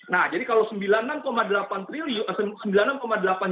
nah jadi kalau sembilan puluh enam delapan triliun